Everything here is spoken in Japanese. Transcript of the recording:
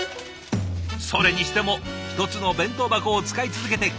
それにしても一つの弁当箱を使い続けて５０年ですよ。